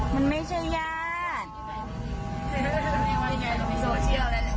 มันไม่ใช่ญาติ